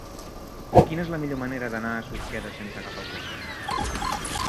Quina és la millor manera d'anar a Susqueda sense agafar el cotxe?